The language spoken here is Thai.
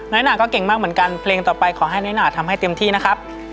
หนาก็เก่งมากเหมือนกันเพลงต่อไปขอให้น้อยหนาทำให้เต็มที่นะครับ